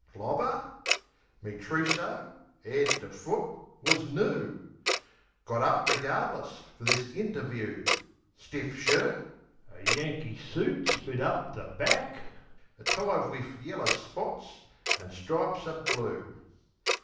Clobber? Me trosso, 'ead to foot, wus noo Got up regardless, fer this interview. Stiff shirt, a Yankee soot split up the back, A tie wiv yeller spots an' stripes o' blue.